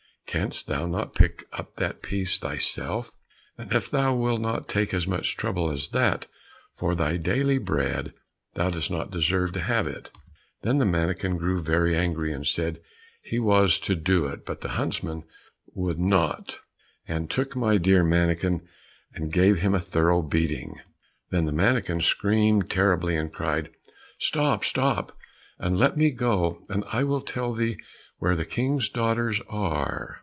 canst thou not pick up that piece thyself? If thou wilt not take as much trouble as that for thy daily bread, thou dost not deserve to have it." Then the mannikin grew very angry and said he was to do it, but the huntsman would not, and took my dear mannikin, and gave him a thorough beating. Then the mannikin screamed terribly, and cried, "Stop, stop, and let me go, and I will tell thee where the King's daughters are."